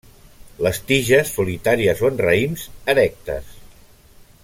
Les tiges solitàries o en raïms, erectes.